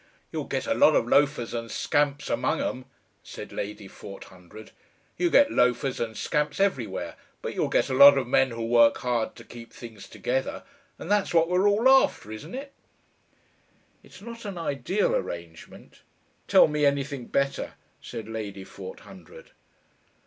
"You'll get a lot of loafers and scamps among 'um," said Lady Forthundred. "You get loafers and scamps everywhere, but you'll get a lot of men who'll work hard to keep things together, and that's what we're all after, isn't ut? "It's not an ideal arrangement." "Tell me anything better," said Lady Forthundred.